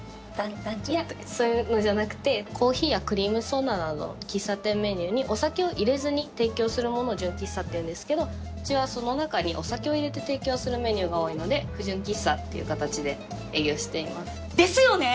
いやそういうのじゃなくてコーヒーやクリームソーダなどの喫茶店メニューにお酒を入れずに提供するものを純喫茶っていうんですけどうちはその中にお酒を入れて提供するメニューが多いので不純喫茶っていう形で営業しています。ですよね！